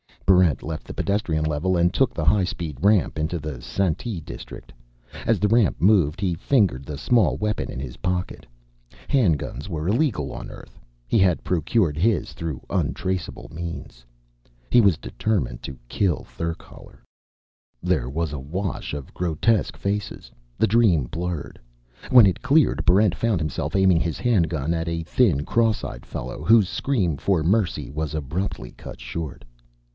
Barrent left the pedestrian level and took the highspeed ramp into the Sante district. As the ramp moved, he fingered the small weapon in his pocket. Handguns were illegal on Earth. He had procured his through untraceable means. He was determined to kill Therkaler. There was a wash of grotesque faces. The dream blurred. When it cleared, Barrent found himself aiming his handgun at a thin, cross eyed fellow whose scream for mercy was abruptly cut short.